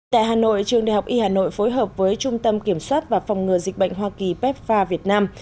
tại hà nội trường đại học y hà nội phối hợp với trung tâm kiểm soát và phòng ngừa dịch bệnh hoa kỳ pepfa việt nam